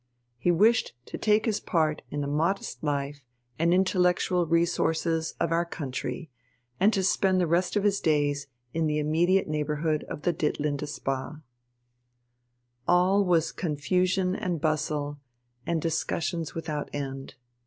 He wished to take his part in the modest life and intellectual resources of our country, and to spend the rest of his days in the immediate neighbourhood of the Ditlinde Spa. All was confusion and bustle, and discussions without end.